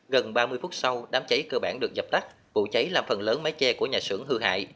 gần ba mươi phút sau đám cháy cơ bản được dập tắt vụ cháy làm phần lớn mái che của nhà xưởng hư hại